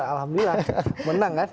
alhamdulillah menang kan